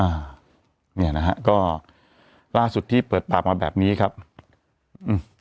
อ่าเนี่ยนะฮะก็ล่าสุดที่เปิดปากมาแบบนี้ครับอืม